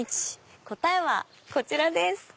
答えはこちらです！